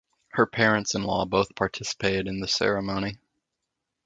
Her parents-in-law both participated in the ceremony.